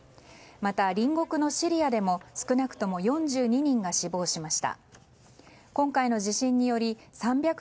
また、隣国のシリアでも少なくとも４２人が死亡しました。